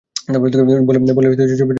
বলেই ছবিটা নিয়ে উপরের ঘরে চলে গেল।